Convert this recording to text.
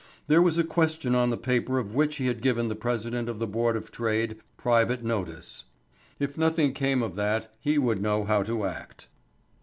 There was a question on the paper of which he had given the President of the Board of Trade private notice. If nothing came of that he would know how to act.